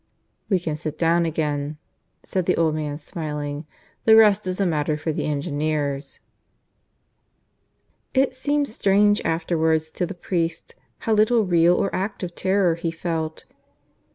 "We can sit down again," said the old man, smiling. "The rest is a matter for the engineers." It seemed strange afterwards to the priest how little real or active terror he felt.